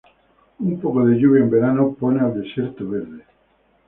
Un poco de lluvia en verano pone al desierto verde.